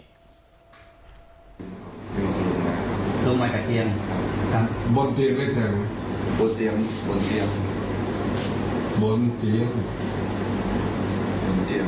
ลูกใหม่กระเทียงครับบนเตียงไม่แทงไหมบนเตียงบนเตียง